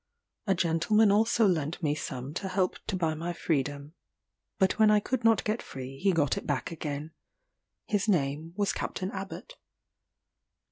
A gentleman also lent me some to help to buy my freedom but when I could not get free he got it back again. His name was Captain Abbot.